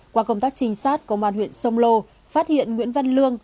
qua công tác trinh sát công an huyện sông lô phát hiện nguyễn văn lương